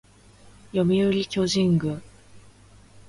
読売巨人軍